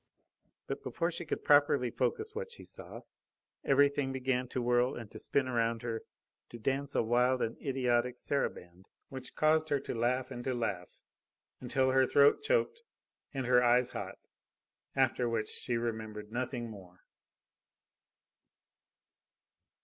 But before she could properly focus what she saw, everything began to whirl and to spin around her, to dance a wild and idiotic saraband, which caused her to laugh, and to laugh, until her throat felt choked and her eyes hot; after which she remembered nothing more.